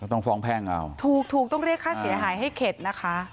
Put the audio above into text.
ต้องฟ้องแพ่งเอาถูกถูกต้องเรียกค่าเสียหายให้เข็ดนะคะ